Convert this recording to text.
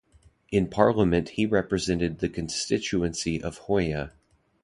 In parliament he represented the constituency of Hoya.